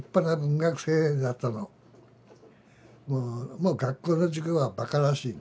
もう学校の授業はバカらしい。